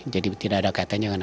jadi tidak ada katanya